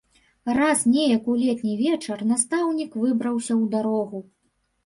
Раз неяк у летні вечар настаўнік выбраўся ў дарогу.